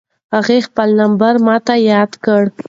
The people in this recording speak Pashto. هغې خپل نمبر ماته یاد کړ.